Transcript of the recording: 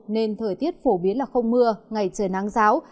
nên thời tiết phổ biến là không mưa ngày trời nắng giáo